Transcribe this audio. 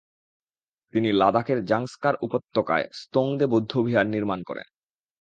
তিনি লাদাখের জাংস্কার উপত্যকায় স্তোংদে বৌদ্ধবিহার নির্মাণ করেন।